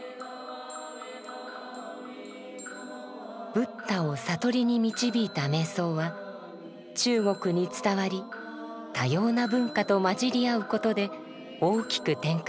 ブッダを悟りに導いた瞑想は中国に伝わり多様な文化と混じり合うことで大きく展開します。